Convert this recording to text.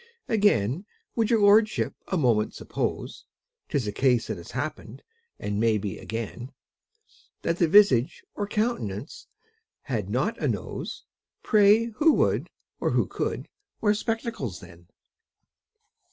Again, would your lordship a moment suppose ('Tis a case that has happened, and may be again) That the visage or countenance had not a nose, Pray who would, or who could, wear spectacles then!